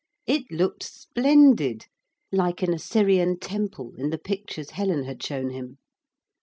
It looked splendid, like an Assyrian temple in the pictures Helen had shown him.